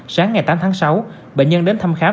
sáng ngày tám tháng sáu bệnh nhân đến thăm khám